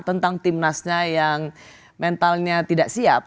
tentang timnasnya yang mentalnya tidak siap